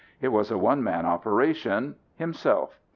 It was a one man operation himself.